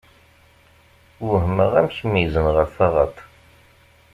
Uhmeɣ amek meyyzen ɣer taɣaṭ.